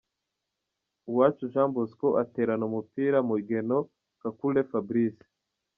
Uwacu Jean Bosco aterana umupira Mugheno Kakule Fabrice.